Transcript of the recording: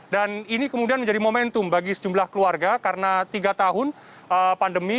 dan ini kemudian menjadi momentum bagi sejumlah keluarga karena tiga tahun pandemi